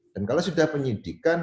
dan kalau sudah penyidikan